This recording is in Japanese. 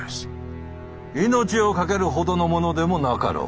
命を懸けるほどのものでもなかろう。